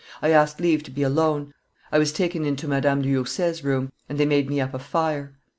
I asked leave to be alone: I was taken into Madame du Housset's room, and they made me up a fire.